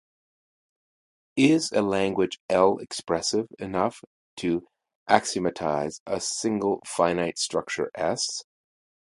Is a language L expressive enough to axiomatize a single finite structure S?